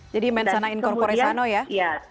jadi main sana inkorporasi sana ya